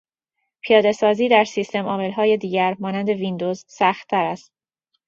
پیادهسازی در سیستمعاملهای دیگر مانند ویندوز سختتر است.